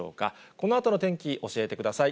このあとの天気、教えてください。